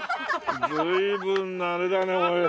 随分なあれだねおい。